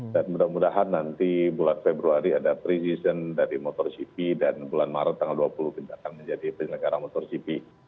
dan mudah mudahan nanti bulan februari ada pre season dari motor gp dan bulan maret tanggal dua puluh kita akan menjadi penyelenggara motor gp